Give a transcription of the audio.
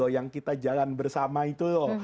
yang kita jalan bersama itu loh